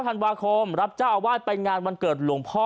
ธันวาคมรับเจ้าอาวาสไปงานวันเกิดหลวงพ่อ